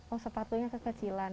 oh sepatunya kekecilan